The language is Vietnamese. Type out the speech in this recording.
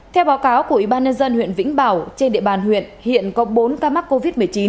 theo báo cáo của ubnd huyện vĩnh bảo trên địa bàn huyện hiện có bốn ca mắc covid một mươi chín